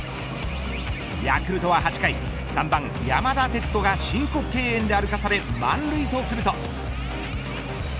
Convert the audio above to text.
ヤクルトは８回３番山田哲人が申告敬遠で歩かされ満塁とすると。